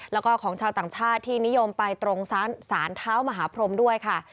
แล้วก็ของชาวต่างชาติที่นิยมไปตรงสารเท้ามหาพรมด้วยค่ะ